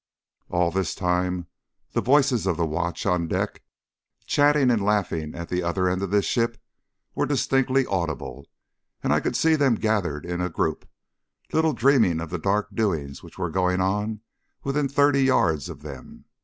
All this time the voices of the watch on deck chatting and laughing at the other end of the ship were distinctly audible, and I could see them gathered in a group, little dreaming of the dark doings which were going on within thirty yards of them.